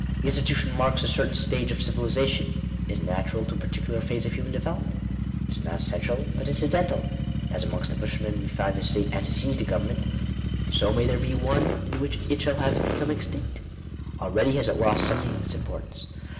The institution marks a certain stage of civilization — is natural to a particular phase of human deve lopment. It is not essential but incidental. As amongst the Bushmen we find a state antecedent to government; so may there be one in which it shall have become extinct. Already has it lost something of its importance.